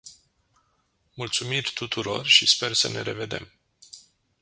Mulțumiri tuturor și sper să ne revedem.